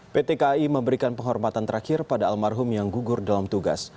pt kai memberikan penghormatan terakhir pada almarhum yang gugur dalam tugas